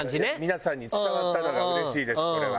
皆さんに伝わったのがうれしいですこれは。